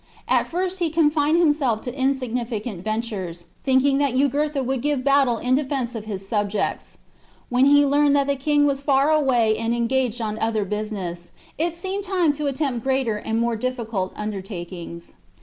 At first he confined himself to insignificant ventures, thinking that Jugurtha would give battle in defence of his subjects. When he learned that the king was far away and engaged on other business, it seemed time to attempt greater and more difficult undertakings.